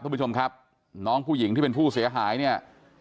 คุณผู้ชมครับน้องผู้หญิงที่เป็นผู้เสียหายเนี่ย